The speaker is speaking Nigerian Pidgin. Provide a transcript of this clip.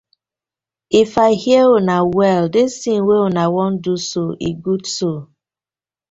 If I hear una well, dis ting wey una wan do so e good so.